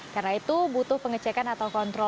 karena itu butuh pengecekan atau kontrol